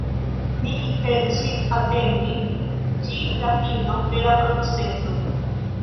Mi intencis atendi ĝis la fino de la proceso.